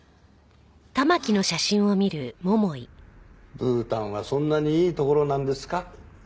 ブータンはそんなにいい所なんですか？